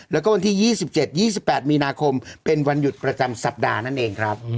แล้วก็วันที่ยี่สิบเจ็ดยี่สิบแปดมีนาคมเป็นวันหยุดประจำสัปดาห์นั่นเองครับ